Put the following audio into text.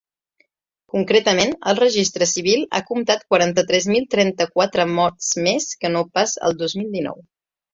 Concretament, el registre civil ha comptat quaranta-tres mil trenta-quatre morts més que no pas el dos mil dinou.